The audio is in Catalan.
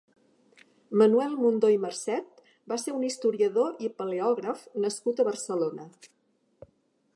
Manuel Mundó i Marcet va ser un historiador i paleògraf nascut a Barcelona.